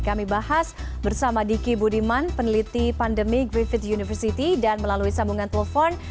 kami bahas bersama diki budiman peneliti pandemic griffith university dan melalui sambungan telepon